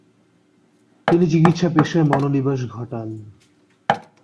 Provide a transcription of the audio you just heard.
তিনি চিকিৎসা পেশায় মনোনিবেশ ঘটান।